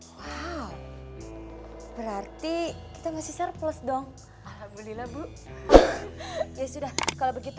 wow berarti kita masih surplus dong alhamdulillah bu ya sudah kalau begitu